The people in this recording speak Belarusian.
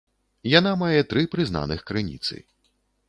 Яна мае тры прызнаных крыніцы.